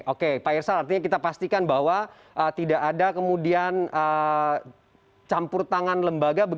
oke pak irsal artinya kita pastikan bahwa tidak ada kemudian campur tangan lembaga